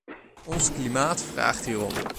Ons klimaat vraagt hierom.